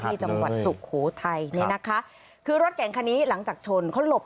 ที่จังหวัดสุโขทัยนี่นะคะคือรถเก่งคันนี้หลังจากชนเขาหลบ